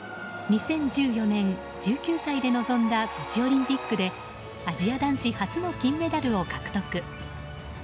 ２０１４年、１９歳で臨んだソチオリンピックでアジア男子初の金メダルを獲得。